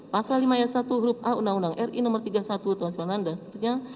pasal lima ayat satu huruf a undang undang ri nomor tiga puluh satu tahun dua ribu sembilan dan seterusnya